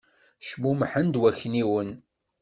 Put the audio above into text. Cmummḥen-d wakniwen.